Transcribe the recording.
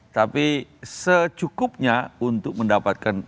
tapi secukupnya untuk mendapatkan